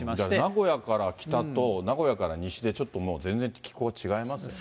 名古屋から北と、名古屋から西でちょっともう全然気候違いますね。